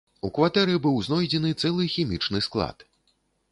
У кватэры быў знойдзены цэлы хімічны склад.